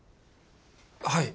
はい。